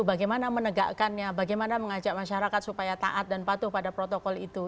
bagaimana menegakkannya bagaimana mengajak masyarakat supaya taat dan patuh pada protokol itu